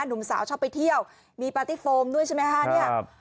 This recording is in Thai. หนุ่มสาวชอบไปเที่ยวมีปาร์ตี้โฟมด้วยใช่ไหมคะเนี่ยครับ